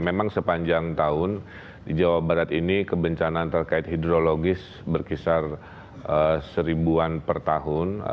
memang sepanjang tahun di jawa barat ini kebencanaan terkait hidrologis berkisar seribuan per tahun